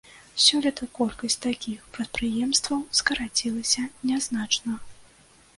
Сёлета колькасць такіх прадпрыемстваў скарацілася нязначна.